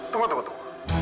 tunggu tunggu tunggu